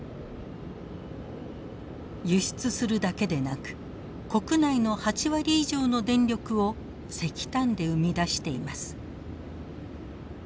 輸出するだけでなく国内の８割以上の電力を石炭で生み出しています。